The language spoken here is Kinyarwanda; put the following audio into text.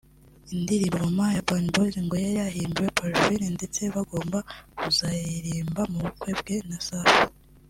Indirimbo ‘Mama’ ya Urban Boyz ngo yari yahimbiwe Parfine ndetse bagombaga kuzayiririmba mu bukwe bwe na Safi